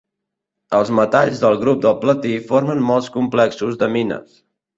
Els metalls del grup del platí formen molts complexos d'amines.